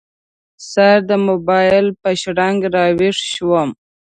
سهار د موبایل په شرنګ راوېښ شوم.